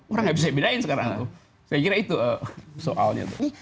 orang nggak bisa bedain sekarang saya kira itu soalnya